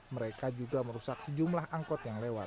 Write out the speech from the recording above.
mereka juga merusak sejumlah angkot yang lewat